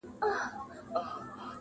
کښتۍ وان ویل مُلا لامبو دي زده ده؟،